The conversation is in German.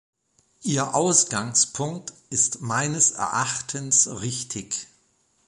Ihr Ausgangspunkt ist meines Erachtens richtig.